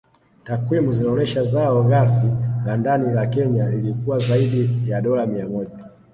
Takwimu zinaonesha zao Ghafi la Ndani la Kenya lilikuwa zaidi ya dola mia moja